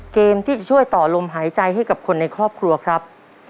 เกมที่จะช่วยต่อลมหายใจให้กับคนในครอบครัวครับ